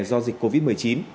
do dịch covid một mươi chín